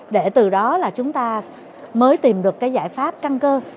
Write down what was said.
để từ đó là chúng ta mới tìm được cái giải pháp căn cơ